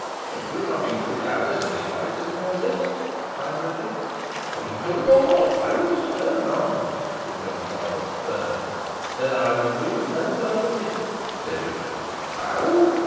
"You do not include Alizon Device in your list?" cried Richard. "I include all I will spare none," rejoined Nowell, sternly. "Then I will move no further with you," said Richard. "How!"